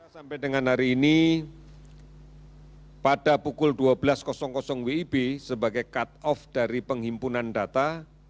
sampai dengan hari ini pada pukul dua belas wib sebagai cut off dari penghimpunan data